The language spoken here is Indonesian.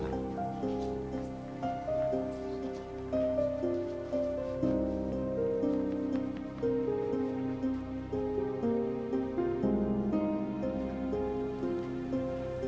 tidak ada apa apaan